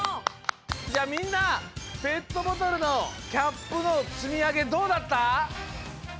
じゃあみんなペットボトルのキャップのつみあげどうだった？